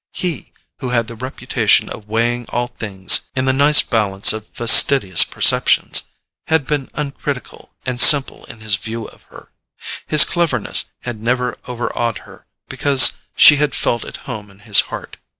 He, who had the reputation of weighing all things in the nice balance of fastidious perceptions, had been uncritical and simple in his view of her: his cleverness had never overawed her because she had felt at home in his heart.